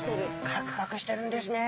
カクカクしてるんですね。